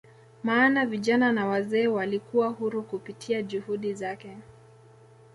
maana vijana na wazee walikuwa huru kupitia juhudi zake